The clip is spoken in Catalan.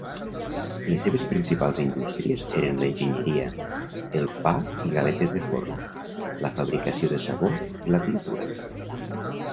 Les seves principals indústries eren l'enginyeria, el pa i galetes de forn, la fabricació de sabó i la pintura.